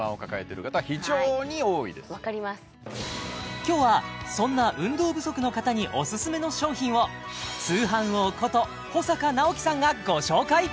今日はそんな運動不足の方にオススメの商品を通販王こと保阪尚希さんがご紹介